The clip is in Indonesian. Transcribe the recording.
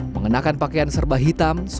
mengenakan pakaian serba hitam